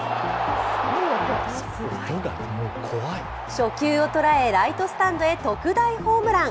初球を捉えライトスタンドへ特大ホームラン。